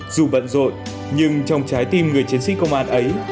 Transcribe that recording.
dù bận rộn nhưng trong trái tim người chiến sĩ công an ấy